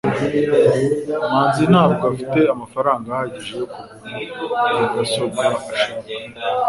manzi ntabwo afite amafaranga ahagije yo kugura mudasobwa ashaka